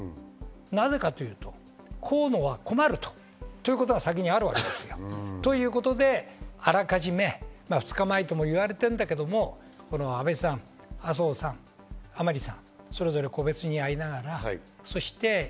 なぜかというと河野は困ると、そういうことが先にあるわけです。ということであらかじめ２日前ともいわれてるんだけど、安倍さん、麻生さん、甘利さん、それぞれ個別に会いながら。